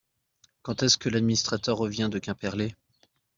Quand est-ce que l'administrateur revient de Quimperlé ?